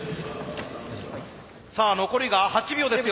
さあ残りが８秒ですよ。